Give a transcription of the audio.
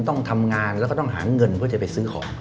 ต้องทำงานแล้วก็ต้องหาเงินเพื่อจะไปซื้อของ